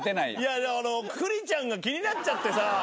いや栗ちゃんが気になっちゃってさ。